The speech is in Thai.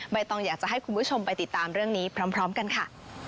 ต้องอยากจะให้คุณผู้ชมไปติดตามเรื่องนี้พร้อมกันค่ะ